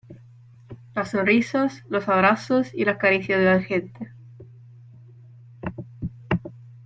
las sonrisas, los abrazos y las caricias de la gente